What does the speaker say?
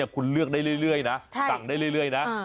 คุณเลือกได้เรื่อยนะ